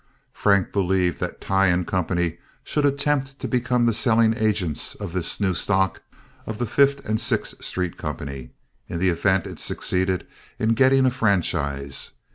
Frank believed that Tighe & Co. should attempt to become the selling agents of this new stock of the Fifth and Sixth Street Company in the event it succeeded in getting a franchise.